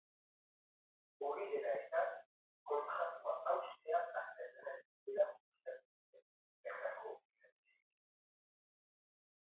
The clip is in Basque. Hori dela eta, kontratua haustea aztertzen ari direla publikatu dute bertako hedabideek.